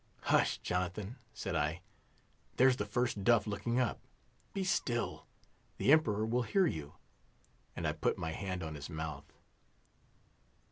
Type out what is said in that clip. "Hush, Jonathan," said I; "there's the First Duff looking up. Be still! the Emperor will hear you;" and I put my hand on his mouth.